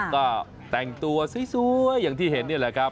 ก็แต่งตัวสวยอย่างที่เห็นนี่แหละครับ